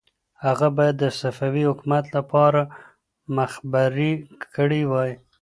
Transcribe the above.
هغه باید د صفوي حکومت لپاره مخبري کړې وای.